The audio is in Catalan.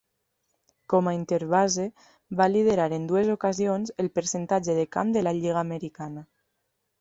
Com a interbase, va liderar en dues ocasions el percentatge de camp de la lliga americana.